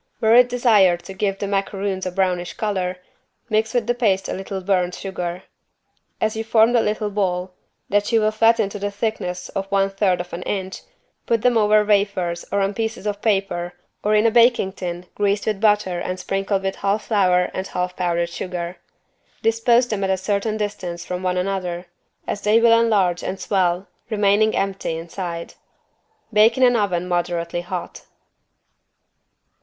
Were it desired to give the macaroons a brownish color, mix with the paste a little burnt sugar. As you form the little ball, that you will flatten to the thickness of one third of an inch, put them over wafers or on pieces of paper or in a baking tin greased with butter and sprinkled with half flour and half powdered sugar. Dispose them at a certain distance from one another as they will enlarge and swell, remaining empty inside. Bake in an oven moderately hot.